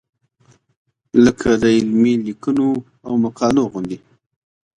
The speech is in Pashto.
لکه د علمي لیکنو او مقالو غوندې.